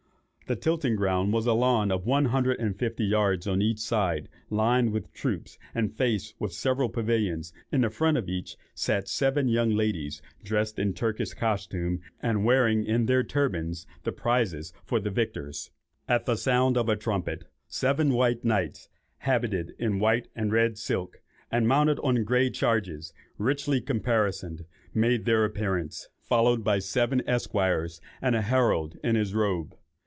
The tilting ground was a lawn of one hundred and fifty yards on each side, lined with troops, and faced with several pavilions; and in front of each sat seven young ladies, dressed in Turkish costume, and wearing on their turbans the prizes for the victors. At the sound of a trumpet, "seven white knights, habited in white and red silk, and mounted on grey chargers, richly caparisoned," made their appearance, followed by seven esquires, and a herald in his robe.